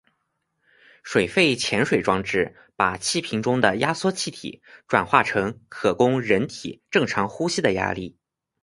水肺潜水装置把气瓶中的压缩气体转化成可供人体正常呼吸的压力。